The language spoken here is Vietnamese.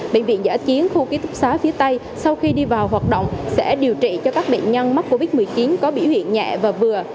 bệnh viện giả chiến khu ký túc xá phía tây sau khi đi vào hoạt động sẽ điều trị cho các bệnh nhân mắc covid một mươi chín có biểu hiện nhẹ và vừa